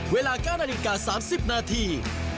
เวลา๙นาฬิกา๓๐นาที